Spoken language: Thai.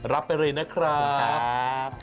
รับไปเลยนะครับ